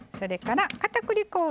あかたくり粉を。